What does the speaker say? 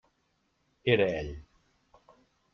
Era ell.